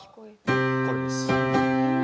これです。